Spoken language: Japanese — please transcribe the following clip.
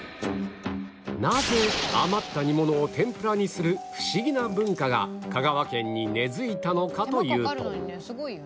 なぜ余った煮物を天ぷらにするフシギな文化が香川県に根付いたのかというと